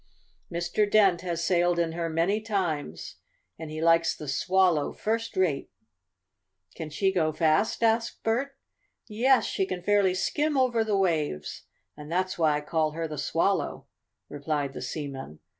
Mr. Dent has sailed in her many times, and he likes the Swallow first rate." "Can she go fast?" asked Bert. "Yes, she can fairly skim over the waves, and that's why I call her the Swallow," replied the seaman.